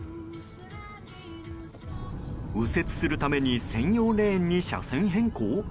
右折するために専用レーンに車線変更？